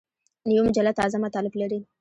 نوې مجله تازه مطالب لري